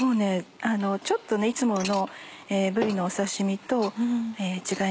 ちょっといつものぶりのお刺身と違います。